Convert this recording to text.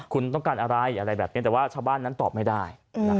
คุณต้องการอะไรอะไรแบบนี้แต่ว่าชาวบ้านนั้นตอบไม่ได้